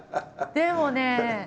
でもね